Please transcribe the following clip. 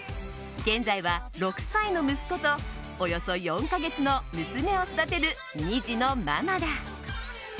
現在は６歳の息子とおよそ４か月の娘を育てる２児のママだ。